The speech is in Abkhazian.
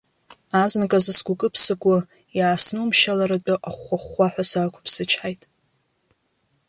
Азныказы сгәыкы-ԥсакуа, иааснумшьаларатәы ахәхәа-хәхәаҳәа саақәыԥсычҳаит.